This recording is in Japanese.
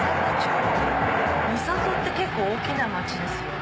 三郷って結構大きな街ですよね。